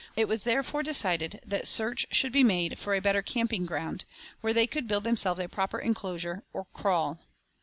It was therefore decided that search should be made for a better camping ground, where they could build themselves a proper enclosure, or "kraal."